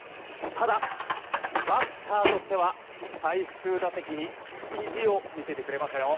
ただ、バッターとしては最終打席に意地を見せてくれましたよ！